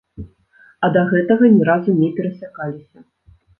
А да гэтага ні разу не перасякаліся.